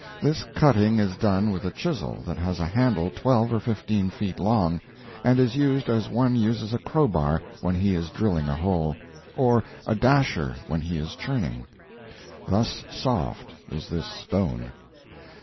This cutting is done with a chisel that has a handle twelve or fifteen feet long, and is used as one uses a crowbar when he is drilling a hole, or a dasher when he is churning. Thus soft is this stone.